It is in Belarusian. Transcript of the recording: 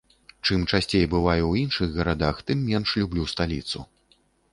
Чым часцей бываю ў іншых гарадах, тым менш люблю сталіцу.